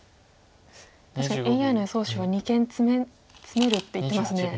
確かにＡＩの予想手は二間ツメるって言ってますね。